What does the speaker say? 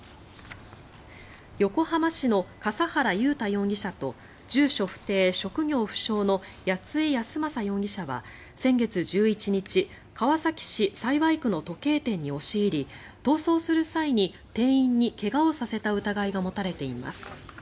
横浜市の笠原雄大容疑者と住所不定・職業不詳の谷井泰雅容疑者は先月１１日川崎市幸区の時計店に押し入り逃走する際に店員に怪我をさせた疑いが持たれています。